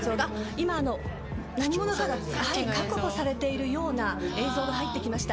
「今何者かが確保されているような映像が入ってきました」